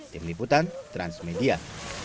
tim liputan transmedia